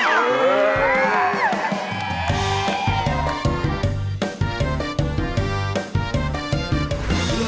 โอเค